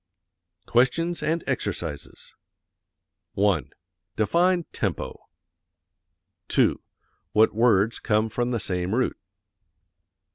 QUESTIONS AND EXERCISES 1. Define tempo. 2. What words come from the same root?